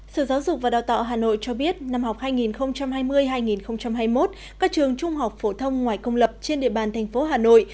sở giáo dục và đào tạo hà nội cho biết năm học hai nghìn hai mươi hai nghìn hai mươi một các trường trung học phổ thông ngoài công lập trên địa bàn thành phố hà nội